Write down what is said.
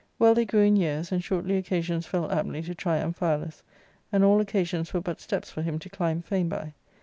" Well, they grew in years, and shortly occasions fell aptly to try Amphialus ; and all occasions were but steps for him to' climb fame by.